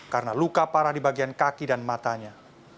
karena luka parah di bagian kaki dan matanya